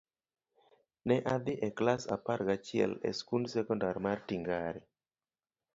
Ne adhi e klas apar gachiel e skund sekondar mar Tingare.